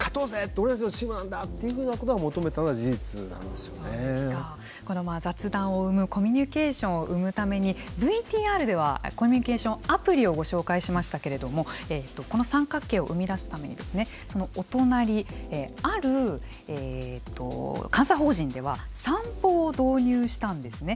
俺たちのチームなんだというのを雑談を生むコミュニケーションを生むためにＶＴＲではコミュニケーションアプリをご紹介しましたけれどもこの三角形を生み出すためにお隣、ある監査法人では散歩を導入したんですね。